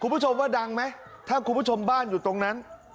คุณผู้ชมว่าดังไหมถ้าคุณผู้ชมบ้านอยู่ตรงนั้น